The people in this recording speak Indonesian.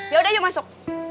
yaudah yuk masuk